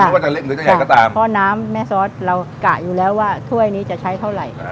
ว่าจะเล็กหรือจะใหญ่ก็ตามเพราะน้ำแม่ซอสเรากะอยู่แล้วว่าถ้วยนี้จะใช้เท่าไหร่